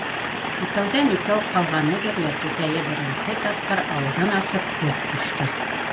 Икәүҙән-икәү ҡалғаны бирле түтәйе беренсе тапҡыр ауыҙын асып һүҙ ҡушты: